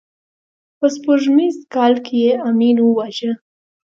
په سپوږمیز کال کې یې امین وواژه.